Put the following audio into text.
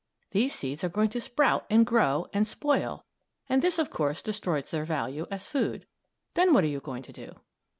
Those seeds are going to sprout and grow and spoil, and this, of course, destroys their value as food. Then what are you going to do?